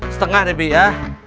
setengah debi ya